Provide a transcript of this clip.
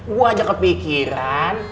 gua aja kepikiran